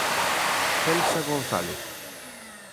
Celsa González.